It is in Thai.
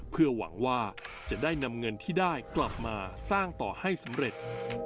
เพื่อหวังว่าจะได้นำเงินที่ได้กลับมาสร้างต่อให้สำเร็จ